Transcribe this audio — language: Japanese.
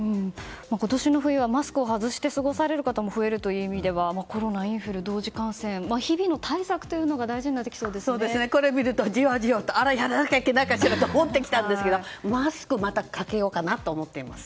今年の冬はマスクを外して過ごされる方も増えるという意味ではコロナとインフルの同時感染、日々の対策というのがこれを見るとじわじわと、あらやらなきゃいけないかしらと思ってきたんですがまたマスクをかけようかなと思っています。